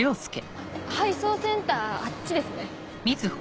配送センターあっちですね。